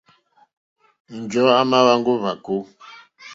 Njɔ̀ɔ́ à mà hwáŋgá ó hwàkó.